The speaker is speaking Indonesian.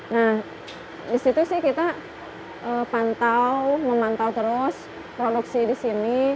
nah disitu sih kita pantau memantau terus produksi di sini